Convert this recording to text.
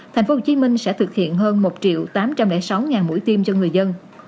tp hcm sẽ thực hiện hơn một triệu tám trăm linh sáu mũi tiêm cho người dân